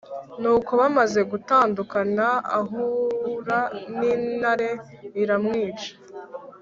Nuko bamaze gutandukana, ahura n’intare iramwica